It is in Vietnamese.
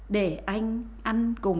để anh ăn cùng